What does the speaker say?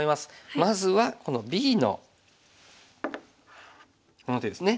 まずはこのＢのこの手ですね。